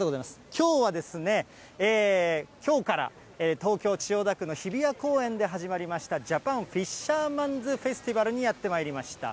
きょうはですね、きょうから東京・千代田区の日比谷公園で始まりました、ジャパンフィッシャーマンズフェスティバルにやってまいりました。